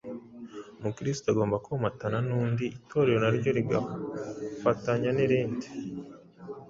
Umukristo agomba komatana n’undi, Itorero naryo rigafatanya n’irindi,